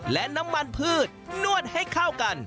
และน้ำมันพืชนนวดให้เข้ากัน